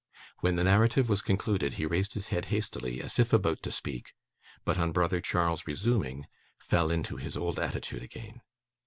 When the narrative was concluded; he raised his head hastily, as if about to speak, but on brother Charles resuming, fell into his old attitude again.